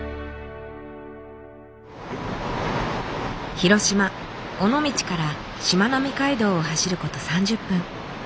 広島尾道からしまなみ海道を走ること３０分。